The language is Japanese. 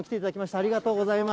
ありがとうございます。